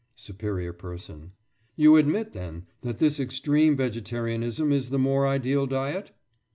SUPERIOR PERSON: You admit, then, that this extreme vegetarianism is the more ideal diet?